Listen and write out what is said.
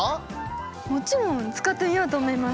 もちろん使ってみようと思います。